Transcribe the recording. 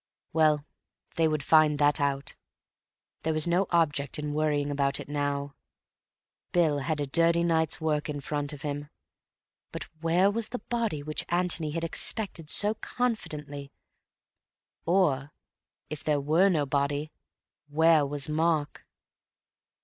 Well, they would find that out. There was no object in worrying about it now. Bill had a dirty night's work in front of him. But where was the body which Antony had expected so confidently or, if there were no body, where was Mark?